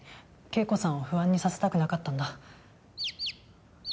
恵子さんを不安にさせたくなかったんだ。